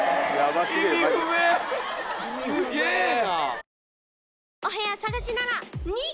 すげぇな。